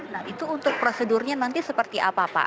nah itu untuk prosedurnya nanti seperti apa pak